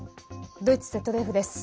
ドイツＺＤＦです。